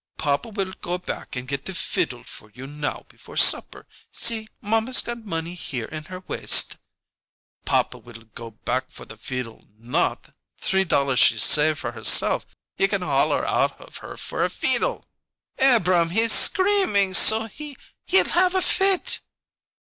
Papa will go back and get the fiddle for you now before supper. See, mamma's got money here in her waist " "Papa will go back for the feedle not three dollars she's saved for herself he can holler out of her for a feedle!" "Abrahm, he's screaming so he he'll have a fit."